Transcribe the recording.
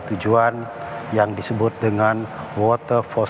tujuan yang disebut dengan water for